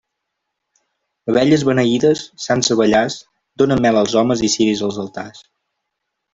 Abelles beneïdes, sants abellars, donen mel als homes i ciris als altars.